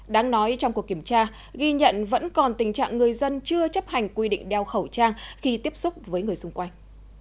đáng nói trong cuộc kiểm tra ghi nhận vẫn còn tình trạng người dân chưa chấp hành quy định đeo khẩu trang khi tiếp xúc với người xung quanh